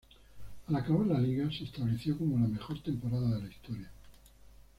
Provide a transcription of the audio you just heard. Al acabar la liga, se estableció como la mejor temporada de la historia.